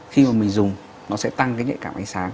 khi mà mình dùng nó sẽ tăng cái nhạy cảm ánh sáng